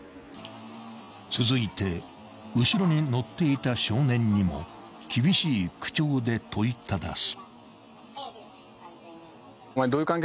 ［続いて後ろに乗っていた少年にも厳しい口調で問いただす］